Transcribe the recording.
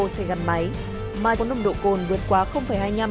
sau này mình sẽ trung nghiệm không bao giờ tái phạm